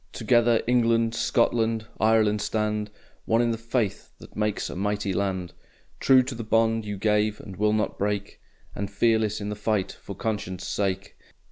Together England, Scotland, Ireland stand One in the faith that makes a mighty land, True to the bond you gave and will not break And fearless in the fight for conscience' sake!